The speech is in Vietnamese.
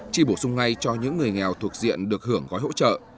chi bổ sung ngay cho những người nghèo thuộc diện được hưởng gói hỗ trợ